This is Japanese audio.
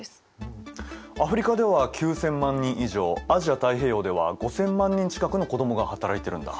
アフリカでは９，０００万人以上アジア太平洋では５，０００万人近くの子どもが働いてるんだ。